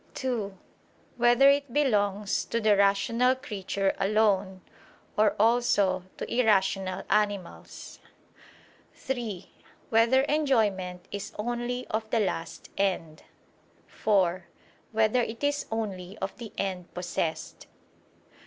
(2) Whether it belongs to the rational creature alone, or also to irrational animals? (3) Whether enjoyment is only of the last end? (4) Whether it is only of the end possessed?